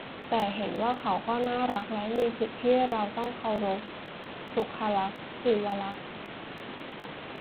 แต่เห็นว่าเขาก็น่ารักและมีสิทธิ์ที่เราต้องเคารพ-สุลักษณ์ ศิวรักษ์